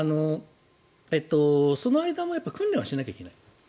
その間も訓練をしなきゃいけない。